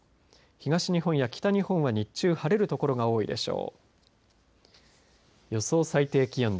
東日本や北日本は日中晴れる所が多いでしょう。